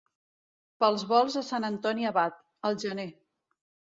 Pels volts de Sant Antoni Abat, al gener.